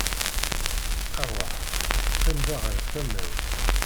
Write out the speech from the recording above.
Rwaḥ, qqim da ɣer tama-w.